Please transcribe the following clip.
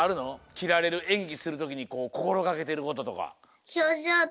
きられるえんぎするときにこころがけてることとか。